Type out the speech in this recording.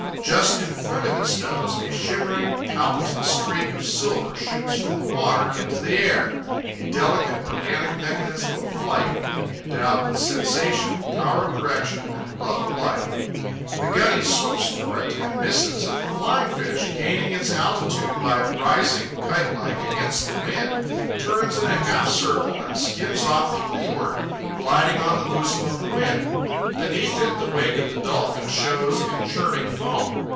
Just in front of its nose a shimmering palpitant streak of silver shoots from the water into the air—a delicate, organic mechanism of flight, endowed with sensation, power of direction, and love of life. The guny swoops for it and misses, and the flying fish, gaining its altitude by rising, kite like, against the wind, turns in a half circle and skims off to leeward, gliding on the bosom of the wind. Beneath it, the wake of the dolphin shows in churning foam.